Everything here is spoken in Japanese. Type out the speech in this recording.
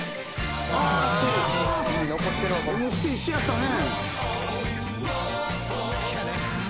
「『Ｍステ』一緒やったね」